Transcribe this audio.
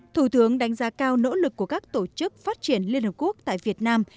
thủ tướng đánh giá cao nỗ lực của các tổ chức phát triển liên hợp quốc tại việt nam